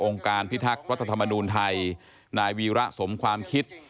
การพิทักษ์รัฐธรรมนูลไทยนายวีระสมความคิด